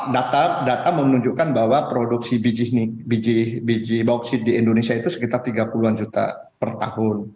data menunjukkan bahwa produksi biji bauksit di indonesia itu sekitar tiga puluh an juta per tahun